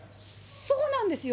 そうなんですよ。